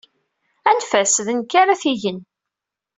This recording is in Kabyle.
Anef-as, d nekk ara t-igen.